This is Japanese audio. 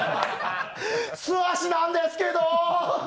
素足なんですけど！